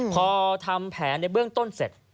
พอทำแผนในเบื้องต้นเสร็จ